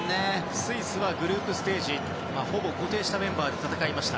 スイスはグループステージほぼ固定したメンバーで戦いました。